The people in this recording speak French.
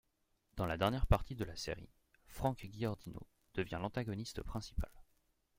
Dans la dernière partie de la série, Frank Giordino devient l’antagoniste principal.